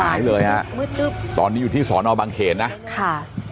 หายเลยฮะตอนนี้อยู่ที่สอนอบังเขนนะค่ะ